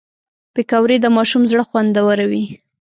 پکورې د ماشوم زړه خوندوروي